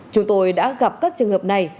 chúng tôi đã gặp các trường hợp này